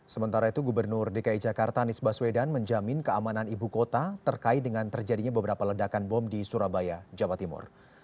sementara itu gubernur dki jakarta anies baswedan menjamin keamanan ibu kota terkait dengan terjadinya beberapa ledakan bom di surabaya jawa timur